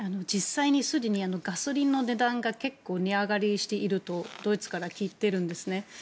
実際に、すでにガソリンの値段が結構、値上がりしているとドイツから聞いてるんですね。